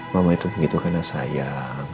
mama itu begitu karena saya